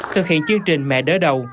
thực hiện chương trình mẹ đỡ đầu